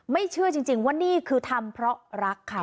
เชื่อจริงว่านี่คือทำเพราะรักค่ะ